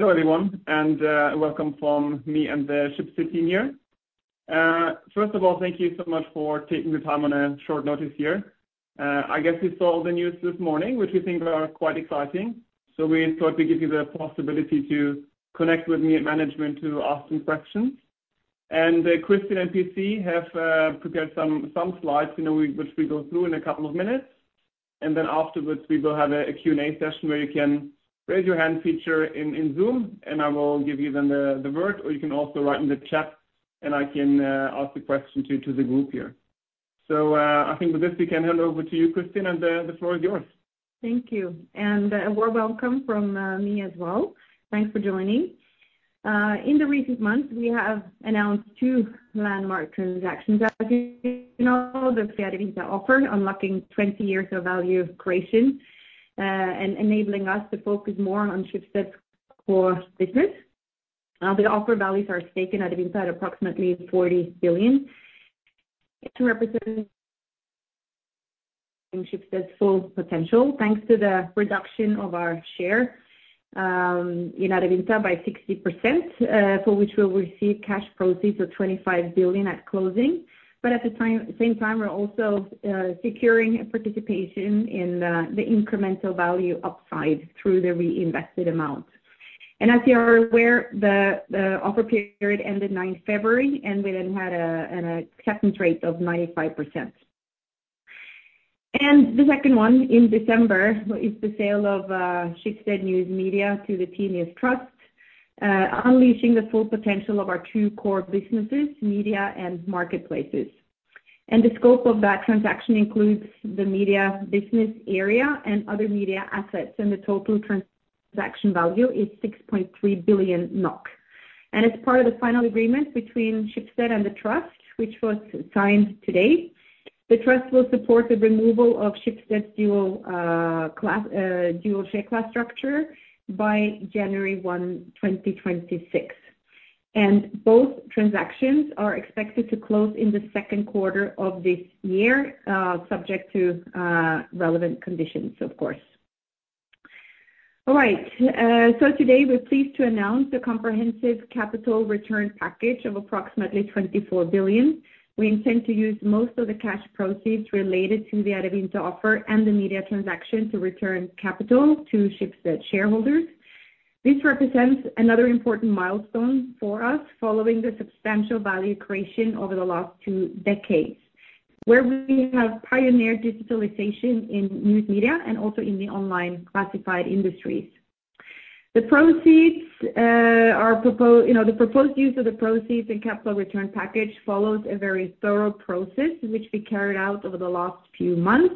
Hello, everyone, and welcome from me and the Schibsted team here. First of all, thank you so much for taking the time on a short notice here. I guess you saw the news this morning, which we think are quite exciting. So we thought to give you the possibility to connect with me and management to ask some questions. Kristin and PC have prepared some slides, you know, which we go through in a couple of minutes, and then afterwards we will have a Q&A session where you can raise your hand feature in Zoom, and I will give you then the word, or you can also write in the chat, and I can ask the question to the group here. I think with this, we can hand over to you, Kristin, and the floor is yours. Thank you, and a warm welcome from me as well. Thanks for joining. In the recent months, we have announced two landmark transactions. As you know, the Adevinta offer, unlocking 20 years of value creation, and enabling us to focus more on Schibsted's core business. The offer values our stake at approximately NOK 40 billion to represent Schibsted's full potential, thanks to the reduction of our share in Adevinta by 60%, for which we'll receive cash proceeds of 25 billion at closing. But at the same time, we're also securing participation in the incremental value upside through the reinvested amount. And as you are aware, the offer period ended 9th February, and we then had an acceptance rate of 95%. The second one, in December, is the sale of Schibsted News Media to the Tinius Trust, unleashing the full potential of our two core businesses, media and marketplaces. The scope of that transaction includes the media business area and other media assets, and the total transaction value is 6.3 billion NOK. As part of the final agreement between Schibsted and the trust, which was signed today, the trust will support the removal of Schibsted's dual class dual share class structure by January 1, 2026. Both transactions are expected to close in the second quarter of this year, subject to relevant conditions, of course. All right. So today we're pleased to announce the comprehensive capital return package of approximately 24 billion. We intend to use most of the cash proceeds related to the Adevinta offer and the media transaction to return capital to Schibsted shareholders. This represents another important milestone for us, following the substantial value creation over the last two decades, where we have pioneered digitalization in news media and also in the online classified industries. The proceeds, you know, the proposed use of the proceeds and capital return package follows a very thorough process, which we carried out over the last few months,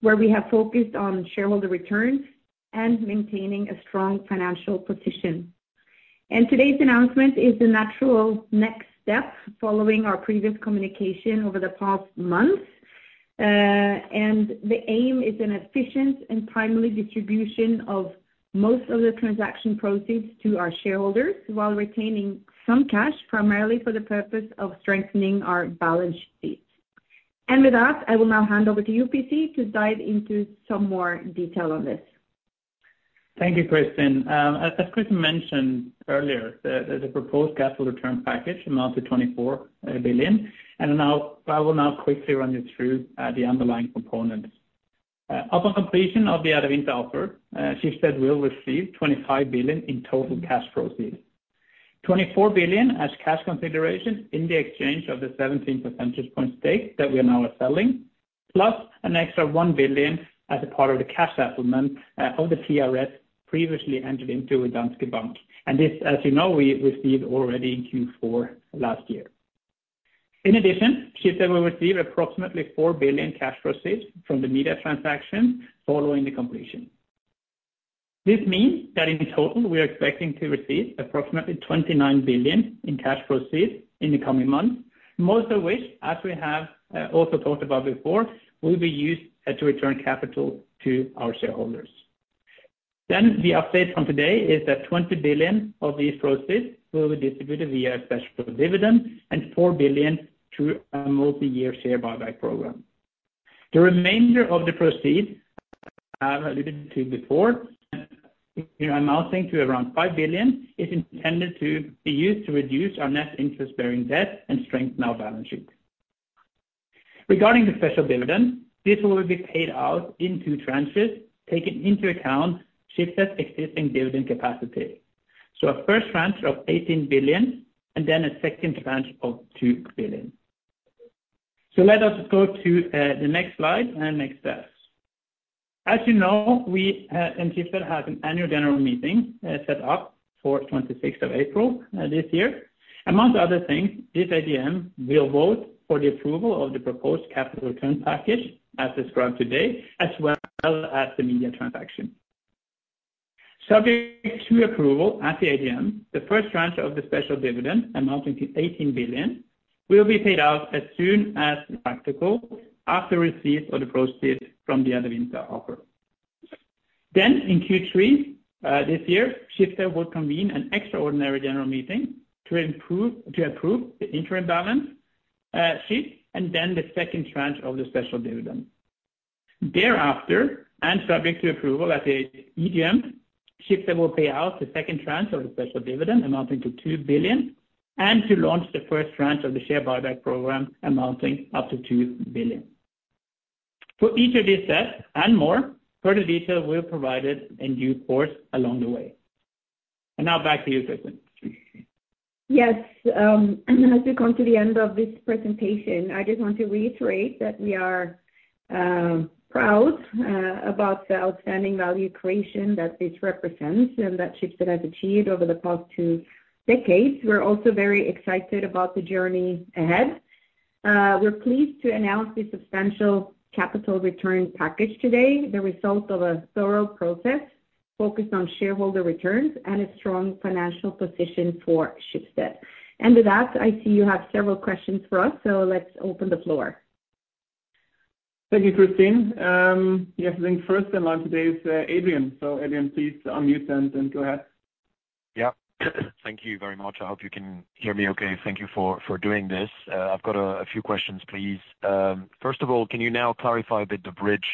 where we have focused on shareholder returns and maintaining a strong financial position. And today's announcement is the natural next step following our previous communication over the past months. And the aim is an efficient and timely distribution of most of the transaction proceeds to our shareholders, while retaining some cash, primarily for the purpose of strengthening our balance sheet. With that, I will now hand over to you, PC, to dive into some more detail on this. Thank you, Kristin. As Kristin mentioned earlier, the proposed capital return package amounts to 24 billion, and now I will now quickly run you through the underlying components. Upon completion of the Adevinta offer, Schibsted will receive 25 billion in total cash proceeds. 24 billion as cash consideration in the exchange of the 17 percentage point stake that we now are selling, plus an extra 1 billion as a part of the cash settlement of the TRS previously entered into with Danske Bank. And this, as you know, we received already in Q4 last year. In addition, Schibsted will receive approximately 4 billion cash proceeds from the media transaction following the completion. This means that in total, we are expecting to receive approximately 29 billion in cash proceeds in the coming months, most of which, as we have also talked about before, will be used to return capital to our shareholders. Then the update from today is that 20 billion of these proceeds will be distributed via a special dividend and 4 billion through a multi-year share buyback program. The remainder of the proceeds, I alluded to before, you know, amounting to around 5 billion, is intended to be used to reduce our net interest-bearing debt and strengthen our balance sheet. Regarding the special dividend, this will be paid out in two tranches, taking into account Schibsted's existing dividend capacity. So a first tranche of 18 billion and then a second tranche of 2 billion. So let us go to the next slide and next steps. As you know, we in Schibsted have an annual general meeting set up for 26th of April this year. Among other things, this AGM will vote for the approval of the proposed capital return package as described today, as well as the media transaction. Subject to approval at the AGM, the first tranche of the special dividend, amounting to 18 billion, will be paid out as soon as practical after receipt of the proceeds from the Adevinta offer. Then, in Q3 this year, Schibsted will convene an extraordinary general meeting to approve the interim balance sheet, and then the second tranche of the special dividend... Thereafter, and subject to approval at the EGM, Schibsted will pay out the second tranche of the special dividend amounting to 2 billion, and to launch the first tranche of the share buyback program amounting up to 2 billion. For each of these steps and more, further detail will be provided in due course along the way. Now back to you, Kristin. Yes, as we come to the end of this presentation, I just want to reiterate that we are proud about the outstanding value creation that this represents and that Schibsted has achieved over the past two decades. We're also very excited about the journey ahead. We're pleased to announce the substantial capital return package today, the result of a thorough process focused on shareholder returns and a strong financial position for Schibsted. With that, I see you have several questions for us, so let's open the floor. Thank you, Kristin. Yes, I think first in line today is Adrian. So Adrian, please unmute and go ahead. Yeah. Thank you very much. I hope you can hear me okay. Thank you for doing this. I've got a few questions, please. First of all, can you now clarify a bit the bridge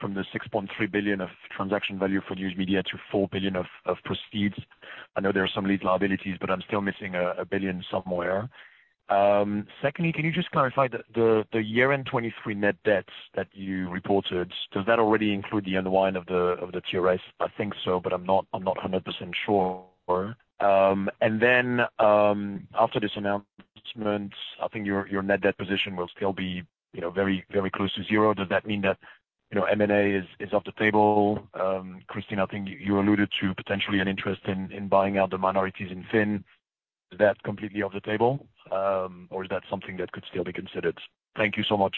from the 6.3 billion of transaction value for news media to 4 billion of proceeds? I know there are some net liabilities, but I'm still missing a 1 billion somewhere. Secondly, can you just clarify the year-end 2023 net debt that you reported, does that already include the unwind of the TRS? I think so, but I'm not 100% sure. And then, after this announcement, I think your net debt position will still be, you know, very, very close to zero. Does that mean that, you know, M&A is off the table? Kristin, I think you alluded to potentially an interest in buying out the minorities in Finn. Is that completely off the table, or is that something that could still be considered? Thank you so much.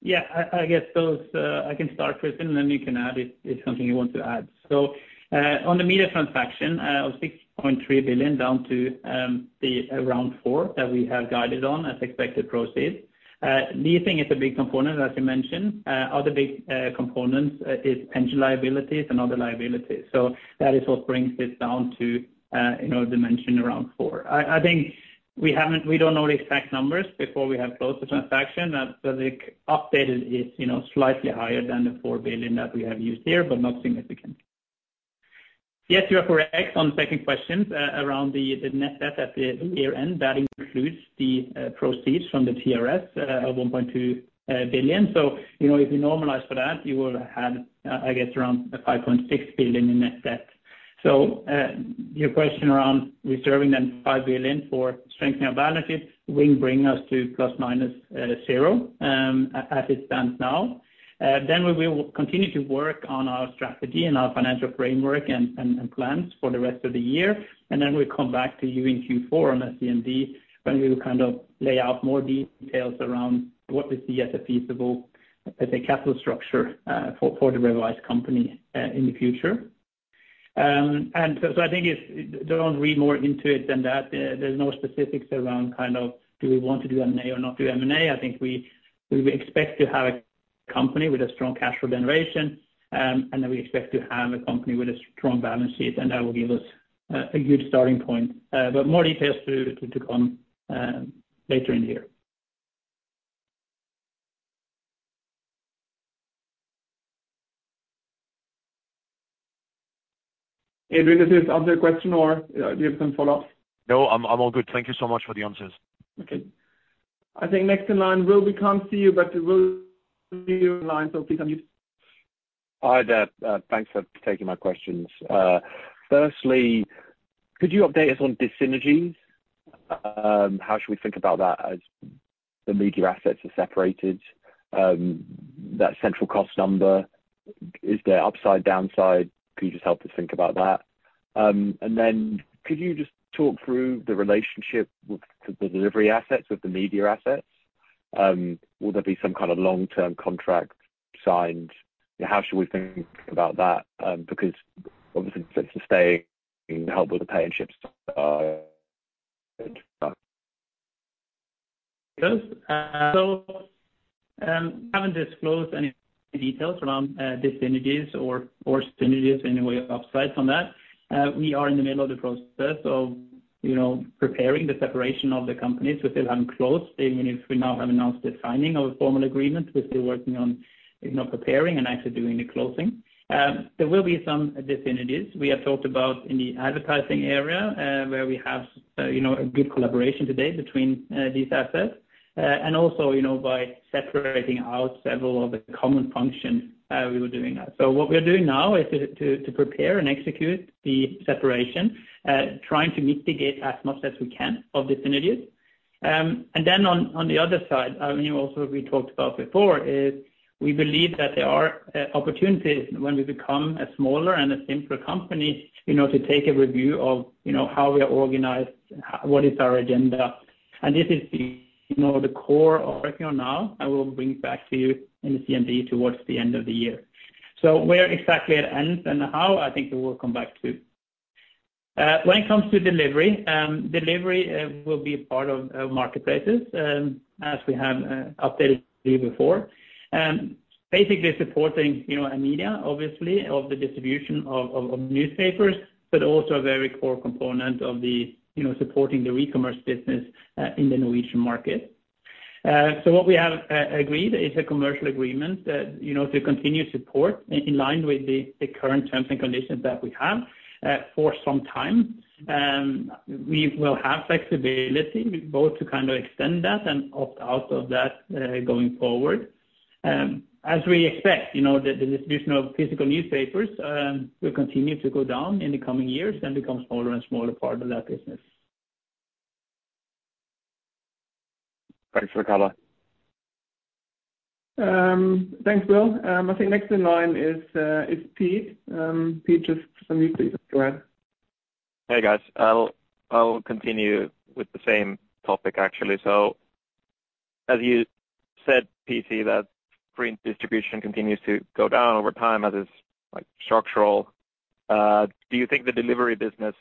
Yeah. I guess those, I can start, Kristin, and then you can add if something you want to add. So, on the media transaction of 6.3 billion, down to the around 4 billion that we have guided on as expected proceeds, leasing is a big component, as you mentioned. Other big components is pension liabilities and other liabilities. So that is what brings this down to, you know, dimension around 4 billion. I think we don't know the exact numbers before we have closed the transaction. So the update is, you know, slightly higher than the 4 billion that we have used here, but not significant. Yes, you are correct on the second question, around the net debt at the year-end. That includes the proceeds from the TRS of 1.2 billion. So, you know, if you normalize for that, you will have, I guess, around 5.6 billion in net debt. So, your question around reserving that 5 billion for strengthening our balances will bring us to ± zero, as it stands now. Then we will continue to work on our strategy and our financial framework and plans for the rest of the year. And then we'll come back to you in Q4 on CMD, when we will kind of lay out more details around what we see as a feasible capital structure for the revised company in the future. And so I think it's—don't read more into it than that. There's no specifics around kind of do we want to do M&A or not do M&A? I think we, we expect to have a company with a strong cash flow generation, and then we expect to have a company with a strong balance sheet, and that will give us, a good starting point. But more details to come later in the year. Adrian, does this answer your question or do you have some follow-up? No, I'm all good. Thank you so much for the answers. Okay. I think next in line, Will, we can't see you, but we'll see you in line, so please unmute. Hi there. Thanks for taking my questions. Firstly, could you update us on dyssynergies? How should we think about that as the media assets are separated, that central cost number, is there upside, downside? Can you just help us think about that? And then could you just talk through the relationship with the delivery assets, with the media assets? Will there be some kind of long-term contract signed? How should we think about that? Because obviously that's staying held with the parent and Schibsted. Yes. So, we haven't disclosed any details around dyssynergies or synergies, anyway upsides from that. We are in the middle of the process of, you know, preparing the separation of the companies, which is unclosed. Even if we now have announced the signing of a formal agreement, we're still working on, you know, preparing and actually doing the closing. There will be some dyssynergies. We have talked about in the advertising area, where we have, you know, a good collaboration today between these assets. And also, you know, by separating out several of the common functions we were doing that. So what we're doing now is to prepare and execute the separation, trying to mitigate as much as we can of dyssynergies. And then on the other side, I mean, also, we talked about before, is we believe that there are opportunities when we become a smaller and a simpler company, you know, to take a review of, you know, how we are organized, what is our agenda. And this is, you know, the core of working on now, and we'll bring back to you in the CMD towards the end of the year. So where exactly it ends and how, I think we will come back to. When it comes to delivery, delivery will be part of marketplaces, as we have updated you before. Basically supporting, you know, our media, obviously, of the distribution of newspapers, but also a very core component of the, you know, supporting the e-commerce business in the Norwegian market. So what we have agreed is a commercial agreement that, you know, to continue support in line with the current terms and conditions that we have for some time. We will have flexibility both to kind of extend that and opt out of that going forward. As we expect, you know, the distribution of physical newspapers will continue to go down in the coming years and become smaller and smaller part of that business. Thanks for the color. Thanks, Will. I think next in line is Pete. Pete, just unmute, please. Go ahead. Hey, guys. I'll, I'll continue with the same topic, actually. So as you said, PC, that print distribution continues to go down over time, as is, like, structural. Do you think the delivery business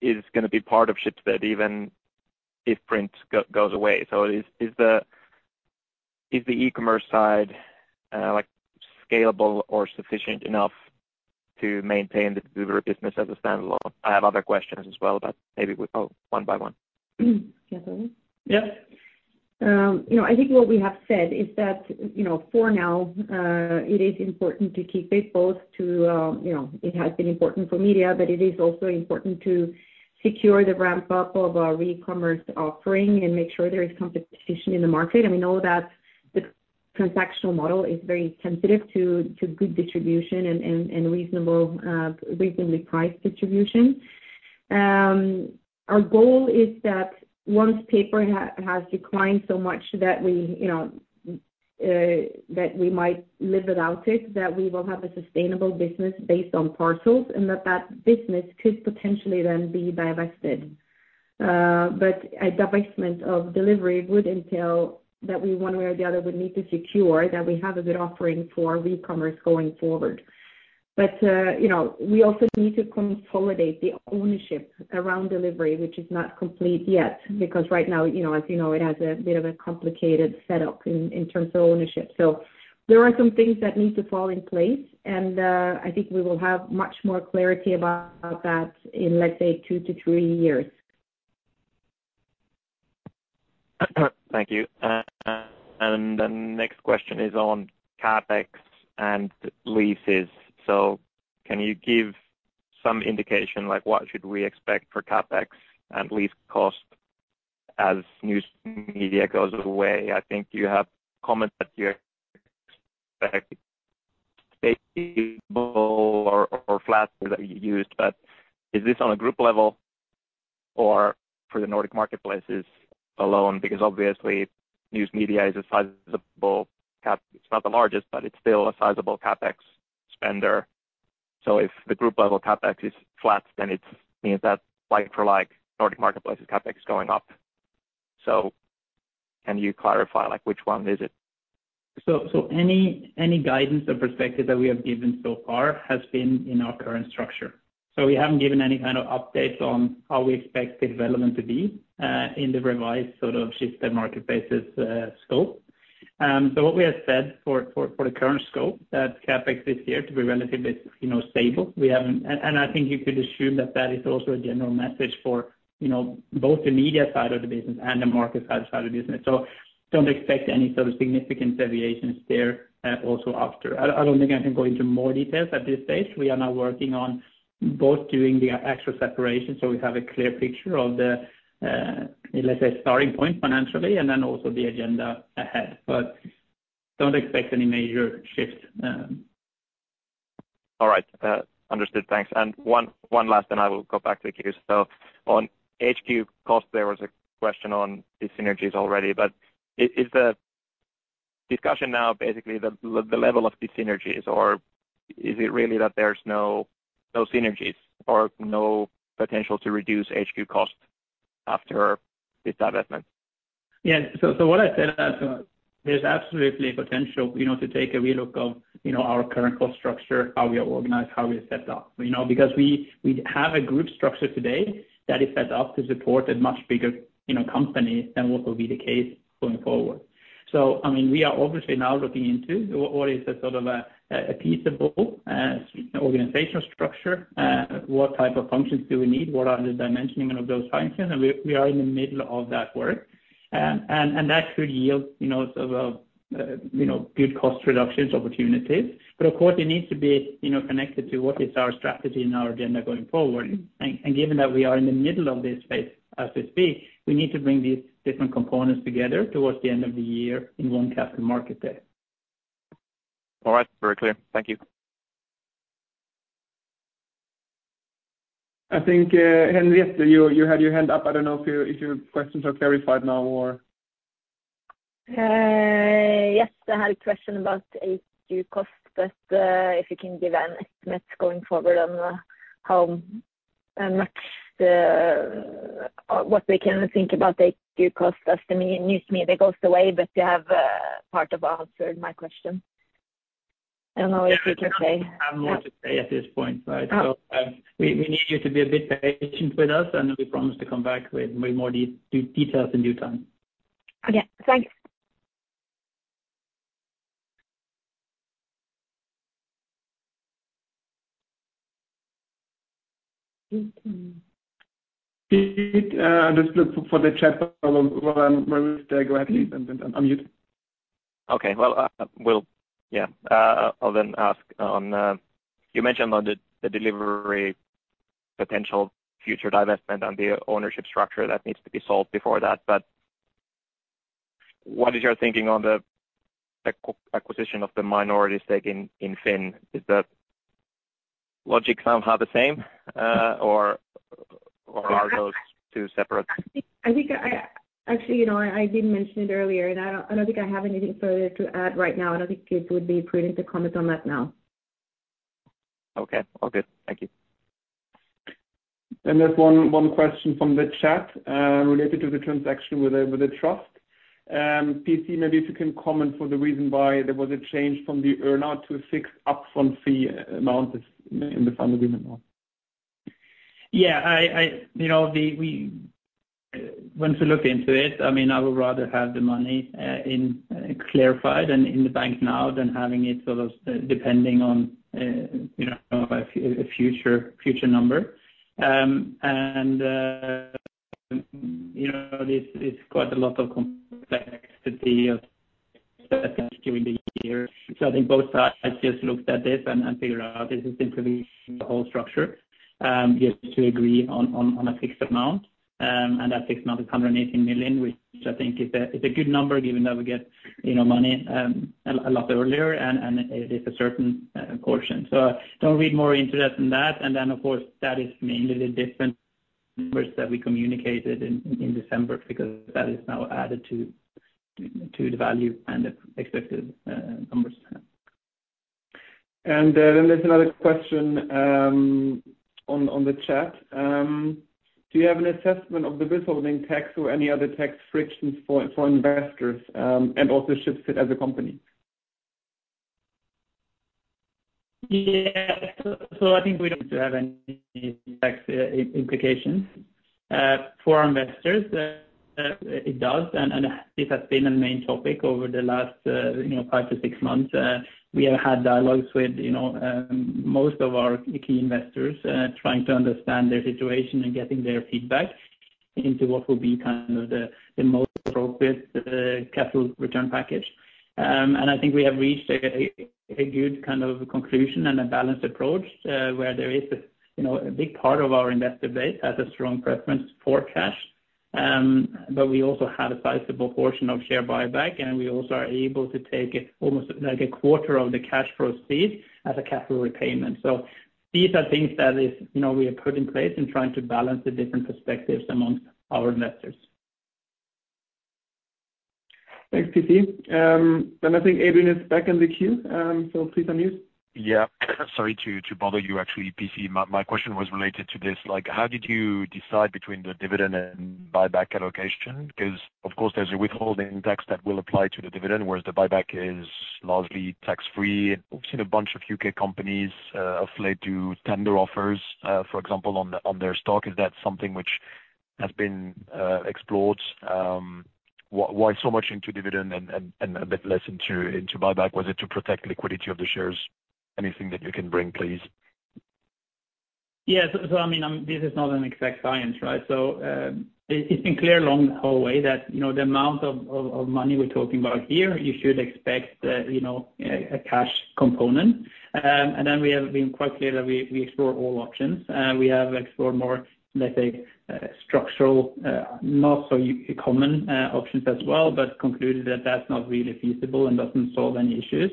is gonna be part of Schibsted even if print goes away? So is the e-commerce side, like, scalable or sufficient enough to maintain the delivery business as a standalone? I have other questions as well, but maybe we go one by one. Yeah. Yes. You know, I think what we have said is that, you know, for now, it is important to keep it both to, you know, it has been important for media, but it is also important to secure the ramp-up of our e-commerce offering and make sure there is competition in the market. And we know that the transactional model is very sensitive to good distribution and reasonable, reasonably priced distribution. Our goal is that once paper has declined so much that we, you know, that we might live without it, that we will have a sustainable business based on parcels, and that that business could potentially then be divested. But a divestment of delivery would entail that we, one way or the other, would need to secure that we have a good offering for e-commerce going forward. But, you know, we also need to consolidate the ownership around delivery, which is not complete yet, because right now, you know, as you know, it has a bit of a complicated setup in terms of ownership. So there are some things that need to fall in place, and I think we will have much more clarity about that in, let's say, two to three years. Thank you. And the next question is on CapEx and leases. So can you give some indication, like, what should we expect for CapEx and lease costs as news media goes away? I think you have commented that you expect stable or flat that you used, but is this on a group level or for the Nordic marketplaces alone? Because obviously, news media is a sizable CapEx spender. It's not the largest, but it's still a sizable CapEx spender. So if the group level CapEx is flat, then it means that like for like, Nordic marketplaces CapEx is going up. So can you clarify, like, which one is it? So any guidance or perspective that we have given so far has been in our current structure. So we haven't given any kind of updates on how we expect the development to be in the revised sort of Schibsted Marketplaces' scope. So what we have said for the current scope, that CapEx this year to be relatively, you know, stable. We haven't. And I think you could assume that that is also a general message for, you know, both the media side of the business and the market side of the business. So don't expect any sort of significant deviations there also after. I don't think I can go into more details at this stage. We are now working on both doing the actual separation, so we have a clear picture of the, let's say, starting point financially, and then also the agenda ahead. But don't expect any major shift. All right, understood. Thanks. And one last, and I will go back to the queue. So on HQ cost, there was a question on the synergies already, but is the discussion now basically the level of the synergies, or is it really that there's no synergies or no potential to reduce HQ cost after this divestment? Yeah. So what I said, there's absolutely potential, you know, to take a relook of, you know, our current cost structure, how we are organized, how we are set up. You know, because we have a group structure today that is set up to support a much bigger, you know, company than what will be the case going forward. So, I mean, we are obviously now looking into what is the sort of a feasible organizational structure, what type of functions do we need? What are the dimensioning of those functions? And we are in the middle of that work. And that should yield, you know, sort of, you know, good cost reductions opportunities. But of course, it needs to be, you know, connected to what is our strategy and our agenda going forward. Given that we are in the middle of this phase, as it be, we need to bring these different components together towards the end of the year in one Capital Markets Day. All right, very clear. Thank you. I think, Henriette, you had your hand up. I don't know if your questions are clarified now or? Yes, I had a question about HQ cost, but if you can give an estimate going forward on how and what we can think about the HQ cost as the news media goes away, but you have partly answered my question.... I don't know if we can say- Have more to say at this point, right? Oh. We need you to be a bit patient with us, and we promise to come back with way more details in due time. Okay, thanks. Pete, just look for the chat while we stay. Go ahead and unmute. Okay. Well, I'll then ask on, you mentioned on the, the delivery potential future divestment and the ownership structure that needs to be solved before that, but what is your thinking on the acquisition of the minority stake in Finn? Is the logic somehow the same, or are those two separate? I think I actually, you know, I did mention it earlier, and I don't think I have anything further to add right now. I don't think it would be appropriate to comment on that now. Okay. All good. Thank you. There's one question from the chat related to the transaction with the trust. PC, maybe if you can comment for the reason why there was a change from the earn-out to a fixed upfront fee amount in the final agreement now? Yeah. You know, when we looked into it, I mean, I would rather have the money in clarified and in the bank now than having it sort of depending on, you know, a future number. You know, it's quite a lot of complexity of, especially during the year. So I think both sides just looked at this and figured out this is simply the whole structure just to agree on a fixed amount. And that fixed amount is 180 million, which I think is a good number, given that we get, you know, money, a lot earlier, and it is a certain portion. So don't read more into that than that. And then, of course, that is mainly the different numbers that we communicated in December, because that is now added to the value and the expected numbers. And then there's another question on the chat. Do you have an assessment of the withholding tax or any other tax frictions for investors, and also Schibsted as a company? Yeah. So I think we don't have any tax implications. For our investors, it does, and it has been a main topic over the last, you know, five to six months. We have had dialogues with, you know, most of our key investors, trying to understand their situation and getting their feedback into what will be kind of the most appropriate capital return package. And I think we have reached a good kind of conclusion and a balanced approach, where there is a, you know, a big part of our investor base has a strong preference for cash. But we also have a sizable portion of share buyback, and we also are able to take it almost like a quarter of the cash proceeds as a capital repayment. These are things that is, you know, we have put in place in trying to balance the different perspectives amongst our investors. Thanks, PC. I think Adrian is back in the queue, so please unmute. Yeah. Sorry to bother you. Actually, PC, my question was related to this, like, how did you decide between the dividend and buyback allocation? Because, of course, there's a withholding tax that will apply to the dividend, whereas the buyback is largely tax-free. We've seen a bunch of UK companies opt for tender offers, for example, on their stock. Is that something which has been explored? Why so much into dividend and a bit less into buyback? Was it to protect liquidity of the shares? Anything that you can bring, please? Yeah. So, I mean, this is not an exact science, right? So, it's been clear along the whole way that, you know, the amount of money we're talking about here, you should expect, you know, a cash component. And then we have been quite clear that we explore all options. We have explored more, let's say, structural, not so uncommon, options as well, but concluded that that's not really feasible and doesn't solve any issues.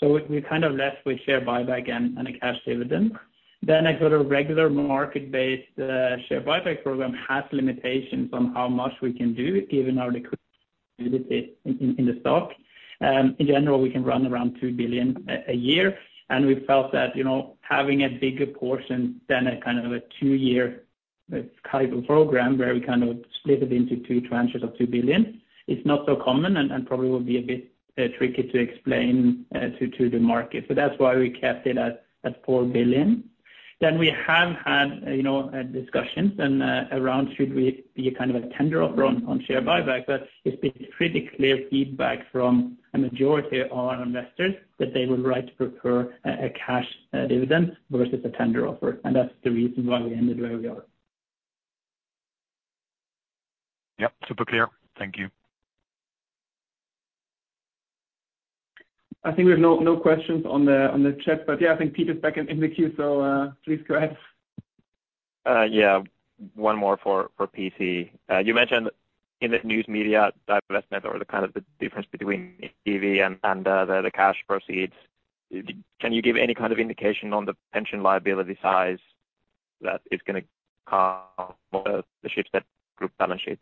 So we kind of left with share buyback and a cash dividend. Then I got a regular market-based share buyback program has limitations on how much we can do, given our liquidity in the stock. In general, we can run around 2 billion a year, and we felt that, you know, having a bigger portion than a kind of two-year kind of program, where we kind of split it into two tranches of 2 billion, is not so common and probably will be a bit tricky to explain to the market. So that's why we kept it at 4 billion. Then we have had, you know, discussions and around should we be a kind of tender offer on share buyback, but it's been pretty clear feedback from a majority of our investors that they would like to prefer a cash dividend versus a tender offer, and that's the reason why we ended where we are. Yep. Super clear. Thank you. I think we have no questions on the chat, but yeah, I think Pete is back in the queue, so please go ahead. Yeah, one more for PC. You mentioned in the news media divestment or the kind of difference between TV and the cash proceeds. Can you give any kind of indication on the pension liability size that's gonna come on the Schibsted group balance sheet?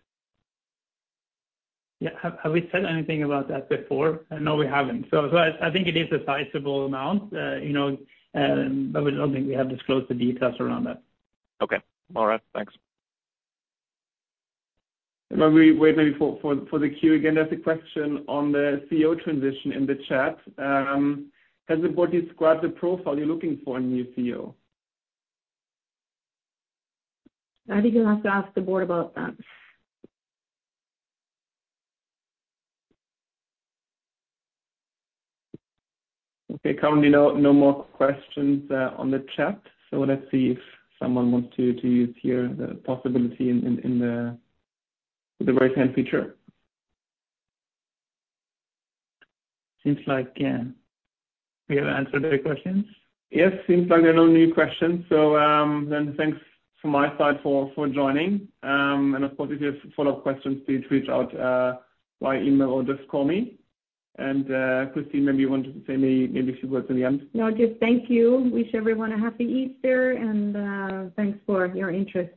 Yeah. Have we said anything about that before? No, we haven't. So I think it is a sizable amount, you know, but I don't think we have disclosed the details around that. Okay. All right. Thanks. While we wait maybe for the queue again, there's a question on the CEO transition in the chat. Has the board described the profile you're looking for in new CEO? I think you'll have to ask the board about that. Okay. Currently, no more questions on the chat. So let's see if someone wants to use here the possibility in the right-hand feature. Seems like, yeah, we have answered their questions. Yes, seems like there are no new questions. So, then thanks from my side for, for joining. And, of course, if you have follow-up questions, please reach out by email or just call me. And, Kristin, maybe you want to say maybe, maybe a few words in the end? No, just thank you. Wish everyone a happy Easter, and, thanks for your interest.